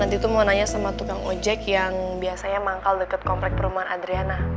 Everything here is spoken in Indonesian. nanti itu mau nanya sama tukang ojek yang biasanya manggal dekat komplek perumahan adriana